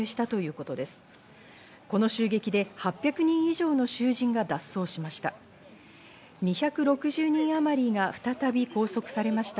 この襲撃で８００人以上の囚人が脱走しました。